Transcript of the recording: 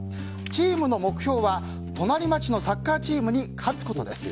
チームの目標は隣町のサッカーチームに勝つことです。